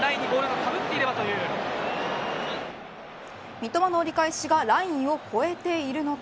三笘の折り返しがラインを越えているのか。